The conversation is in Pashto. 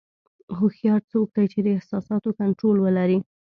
هوښیار څوک دی چې د احساساتو کنټرول ولري.